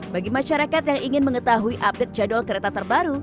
bagi masyarakat yang ingin mengetahui update jadwal kereta terbaru